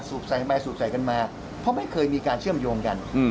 ใส่กันไปสูบใส่กันมาเพราะไม่เคยมีการเชื่อมโยงกัน